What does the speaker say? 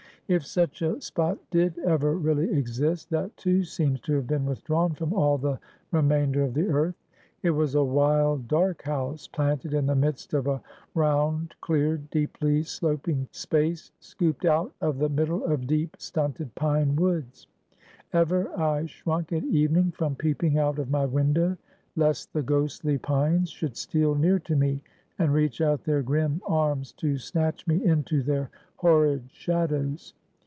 If such a spot did ever really exist, that too seems to have been withdrawn from all the remainder of the earth. It was a wild, dark house, planted in the midst of a round, cleared, deeply sloping space, scooped out of the middle of deep stunted pine woods. Ever I shrunk at evening from peeping out of my window, lest the ghostly pines should steal near to me, and reach out their grim arms to snatch me into their horrid shadows.